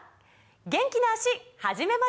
元気な脚始めましょう！